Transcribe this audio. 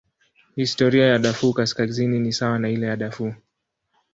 Historia ya Darfur Kaskazini ni sawa na ile ya Darfur.